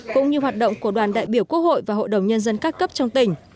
cũng như hoạt động của đoàn đại biểu quốc hội và hội đồng nhân dân các cấp trong tỉnh